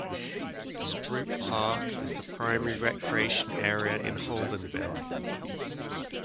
Stroup Park is the primary recreation area in Holdenville.